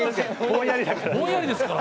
ぼんやりだから。